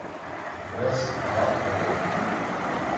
Конгресс — хӑватлӑ вӑй.